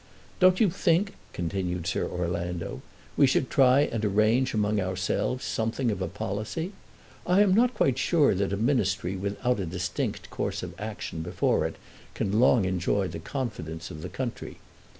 "Don't you think," continued Sir Orlando, "we should try and arrange among ourselves something of a policy? I am not quite sure that a ministry without a distinct course of action before it can long enjoy the confidence of the country.